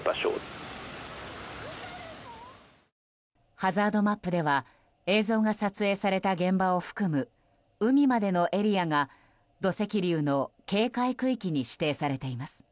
ハザードマップでは映像が撮影された現場を含む海までのエリアが土石流の警戒区域に指定されています。